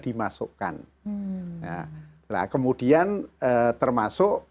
dimasukkan nah kemudian termasuk